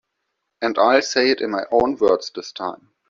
And I'll say it in my own words this time.